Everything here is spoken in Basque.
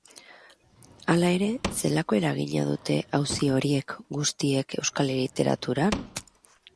Hala ere, zelako eragina dute auzi horiek guztiek euskal literaturan?